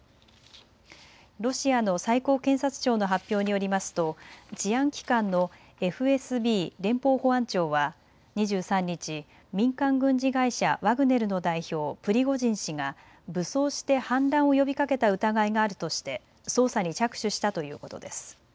ロシアの最高検察庁の発表によりますと治安機関のＦＳＢ・連邦保安庁は２３日、民間軍事会社、ワグネルの代表、プリゴジン氏が武装して反乱を呼びかけた疑いがあるとして捜査に着手したということです。